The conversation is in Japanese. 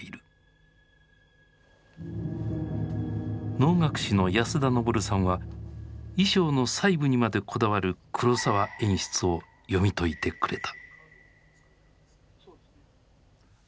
能楽師の安田登さんは衣装の細部にまでこだわる黒澤演出を読み解いてくれた。